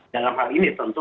dalam hal ini tentu